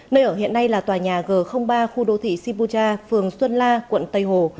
nơi ở hiện nay là tòa nhà g ba khu đô thị sibuja phường xuân la quận tây hồ